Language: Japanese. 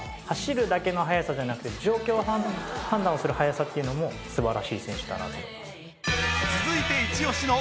走るだけの速さじゃなくて状況判断をする早さっていうのも素晴らしい選手だなと思います。